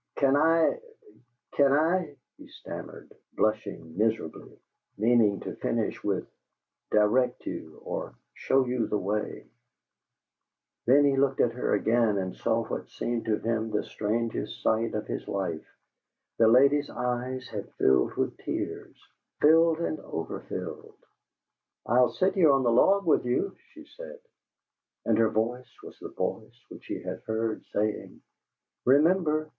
"Can I can I " he stammered, blushing miserably, meaning to finish with "direct you," or "show you the way." Then he looked at her again and saw what seemed to him the strangest sight of his life. The lady's eyes had filled with tears filled and overfilled. "I'll sit here on the log with you," she said. And her voice was the voice which he had heard saying, "REMEMBER!